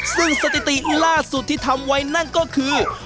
ซึ่งสถิติล่าสุดที่ทำไว้นั่นก็คือ